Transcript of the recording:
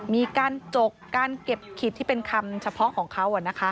มีการจกการเก็บขิดที่เป็นคำเฉพาะของเขา